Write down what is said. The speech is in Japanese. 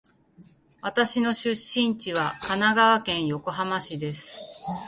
私の出身地は神奈川県横浜市です。